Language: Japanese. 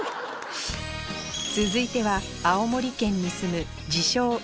続いては青森県に住む自称